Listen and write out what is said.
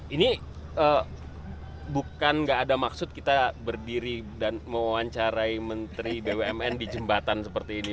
ini bukan gak ada maksud kita berdiri dan mewawancarai menteri bumn di jembatan seperti ini